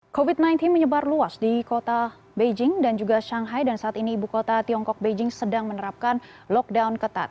covid sembilan belas menyebar luas di kota beijing dan juga shanghai dan saat ini ibu kota tiongkok beijing sedang menerapkan lockdown ketat